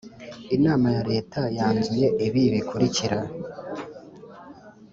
Inama ya leta yanzuye ibi bikurikira